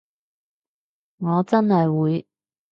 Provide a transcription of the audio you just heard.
我真係會